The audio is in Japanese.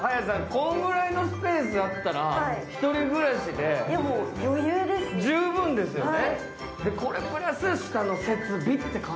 こんぐらいのスペースあったら、１人暮らしで十分ですよね。